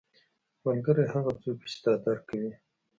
ملګری هغه څوک وي چې تا درک کوي